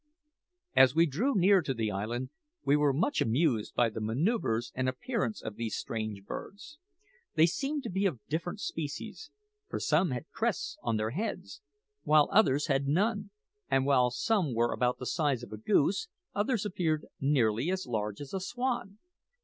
As we drew near to the island, we were much amused by the manoeuvres and appearance of these strange birds. They seemed to be of different species: for some had crests on their heads, while others had none; and while some were about the size of a goose, others appeared nearly as large as a swan.